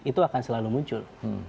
itu akan selalu muncul